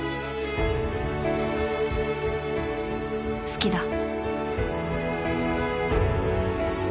好きだ